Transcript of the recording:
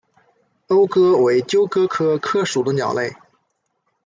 欧鸽为鸠鸽科鸽属的鸟类。